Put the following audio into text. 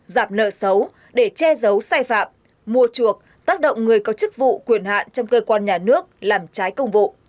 giảm nợ xấu để che giấu sai phạm mua chuộc tác động người có chức vụ quyền hạn trong cơ quan nhà nước làm trái công vụ